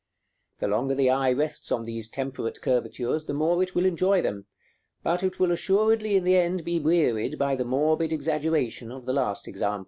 The longer the eye rests on these temperate curvatures the more it will enjoy them, but it will assuredly in the end be wearied by the morbid exaggeration of the last example.